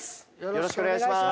よろしくお願いします。